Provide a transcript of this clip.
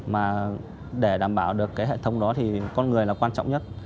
mà để đảm bảo được cái hệ thống đó thì con người là quan trọng nhất